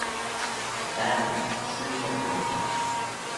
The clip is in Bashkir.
Ә, Шиллер был.